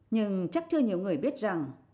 nhưng chắc chưa nhiều người biết rằng